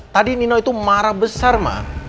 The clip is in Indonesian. tadi nino itu marah besar mah